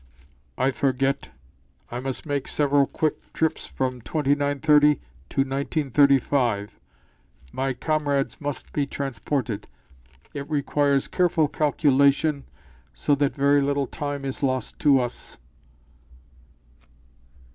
"I forget. I must make several quick trips from 2930 to 1935. My comrades must be transported. It requires careful calculation, so that very little Time is lost to us."